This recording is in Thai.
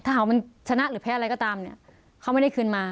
ถ้าหากมันชนะหรือแพ้อะไรก็ตามเนี่ยเขาไม่ได้คืนมา